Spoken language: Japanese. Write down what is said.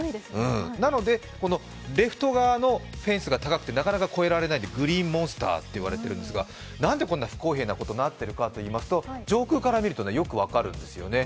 なので、このレフト側のフェンスが高くてなかなか越えられないので、グリーンモンスターと言われているんですが、なんでこんな不公平なことになっているかといいますと上空から見るとよく分かるんですね。